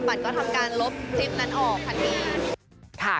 บัตรก็ทำการลบคลิปนั้นออกทันที